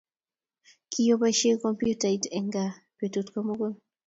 Kiyoboishee kompyutait eng gaa betut komugul